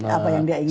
apa yang dia inginkan